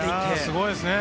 すごいですね。